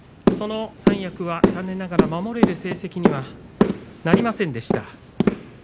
その三役は残念ながら守るような成績にはなりませんでした。